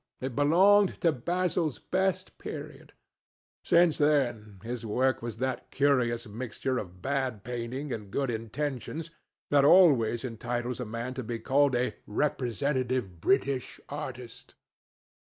It belonged to Basil's best period. Since then, his work was that curious mixture of bad painting and good intentions that always entitles a man to be called a representative British artist.